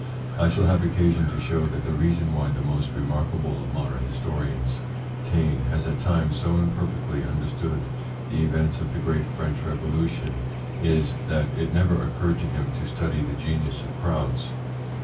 I shall have occasion to show that the reason why the most remarkable of modern historians, Taine, has at times so imperfectly understood the events of the great French Revolution is, that it never occurred to him to study the genius of crowds.